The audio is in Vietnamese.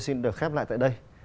xin được khép lại tại đây